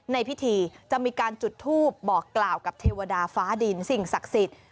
ในพิธีจะมีการจุดทูปบอกกล่าวกับเทวดาฟ้าดินสิ่งศักดิ์สิทธิ์